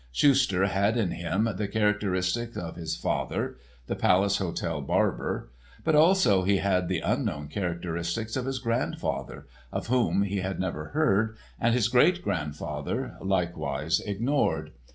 Schuster had in him the characteristics of his father, the Palace Hotel barber, but also, he had the unknown characteristics of his grandfather, of whom he had never heard, and his great grandfather, likewise ignored.